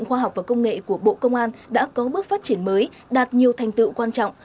khoa học và công nghệ của bộ công an đã có bước phát triển mới đạt nhiều thành tựu quan trọng